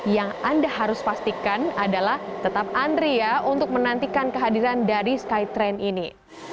yang anda harus pastikan adalah tetap andri ya untuk menantikan kehadiran dari skytrain ini